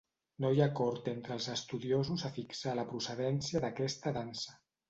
No hi ha acord entre els estudiosos a fixar la procedència d’aquesta dansa.